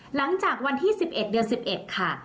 หลังจากวันที่๑๑เดือน๑๑ค่ะ